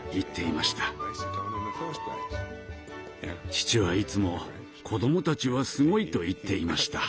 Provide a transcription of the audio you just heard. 父はいつも「子供たちはすごい」と言っていました。